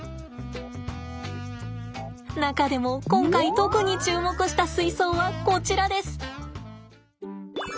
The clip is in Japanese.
中でも今回特に注目した水槽はこちらです。